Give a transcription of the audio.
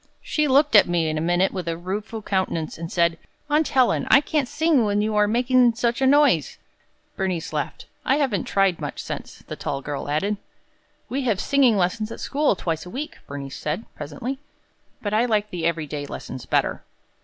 She looked at me in a minute with a rueful countenance, and said, 'Aunt Helen, I can't sing when you are making such a noise!'" Bernice laughed. "I haven't tried much since," the tall girl added. "We have singing lessons at school twice a week," Bernice said, presently, "but I like the every day lessons better."